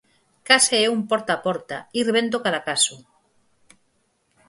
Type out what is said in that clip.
Case é un porta a porta, ir vendo cada caso.